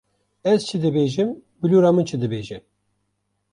Ez çi dibêjim bilûra min çi dibêje.